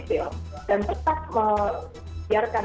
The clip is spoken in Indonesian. dan tetap membiarkan militer memegang kejahatan